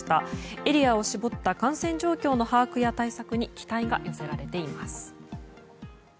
エリアを絞った感染状況の把握や対策に期待が寄せられています。